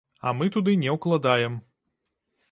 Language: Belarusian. А мы туды не ўкладаем.